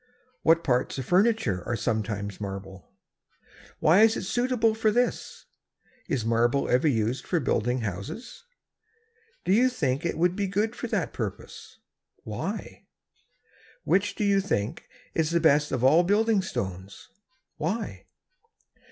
What parts of furniture are sometimes marble? Why is it suitable for this? Is marble ever used for building houses? Do you think it would be good for that purpose? Why? Which, do you think, is the best of all building stones? Why?